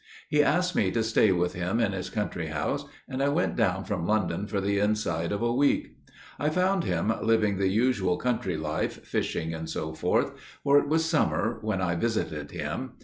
He asked me to stay with him in his country house, and I went down from London for the inside of a week. I found him living the usual country life, fishing and so forth; for it was summer when I visited him.